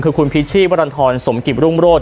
คือคุณพิชชี่วรรณฑรสมกิจรุ่งโรศ